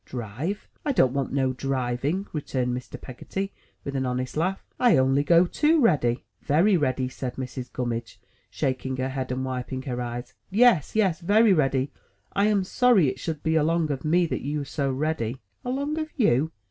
"Drive! I don't want no driving," returned Mr. Peggotty, with an honest laugh. "I only go too ready." 112 THE TREASURE CHEST "Very ready," said Mrs. Gummidge, shaking her head, and wiping her eyes. "Yes, yes, very ready. I am sorry it should be along of me that you're so ready." "Along o' you.